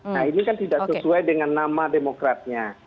nah ini kan tidak sesuai dengan nama demokratnya